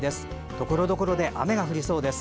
ところどころで雨が降りそうです。